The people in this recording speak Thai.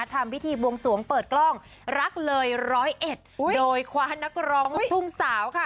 ทำพิธีบวงสวงเปิดกล้องรักเลยร้อยเอ็ดโดยคว้านักร้องลูกทุ่งสาวค่ะ